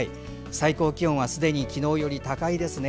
最高気温はすでに昨日より高いですね。